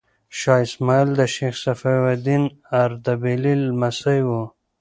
شاه اسماعیل د شیخ صفي الدین اردبیلي لمسی و.